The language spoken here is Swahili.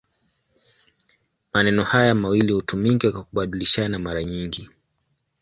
Maneno haya mawili hutumika kwa kubadilishana mara nyingi.